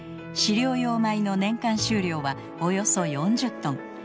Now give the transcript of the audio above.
飼料用米の年間収量はおよそ４０トン。